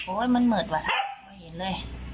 โอ้ยมันเหมือนว่ะ